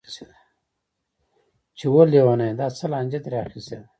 چې وه ليونيه دا څه لانجه دې راخيستې ده.